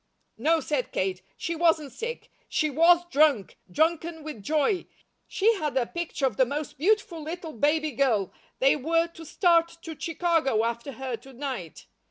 "No," said Kate, "she wasn't sick. She WAS drunk, drunken with joy. She had a picture of the most beautiful little baby girl. They were to start to Chicago after her to night.